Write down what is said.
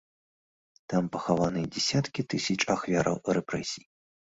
Там пахаваныя дзясяткі тысяч ахвяраў рэпрэсій.